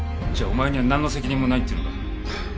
じゃあお前にはなんの責任もないっていうのか？